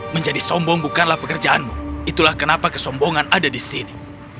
menjadi sombong bukanlah pekerjaanmu itulah kenapa kesombongan ada di sini